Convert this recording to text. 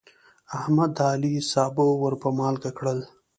احمد د علي سابه ور په مالګه کړل.